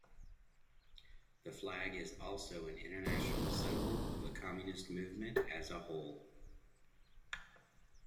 The flag is also an international symbol of the communist movement as a whole.